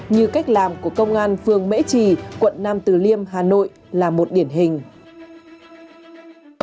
như cách làm của công an phường mễ trì quận nam từ liêm hà nội là một điển hình